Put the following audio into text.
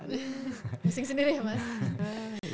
bising sendiri ya mas